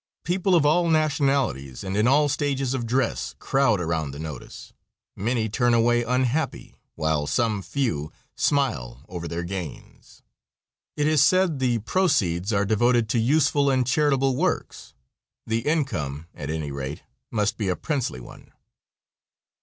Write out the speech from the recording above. People of all nationalities and in all stages of dress crowd around the notice. Many turn away unhappy, while some few smile over their gains. It is said the proceeds are devoted to useful and charitable works. The income, at any rate, must be a princely one.